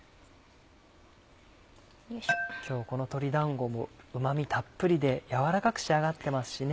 今日この鶏だんごもうまみたっぷりで軟らかく仕上がってますしね。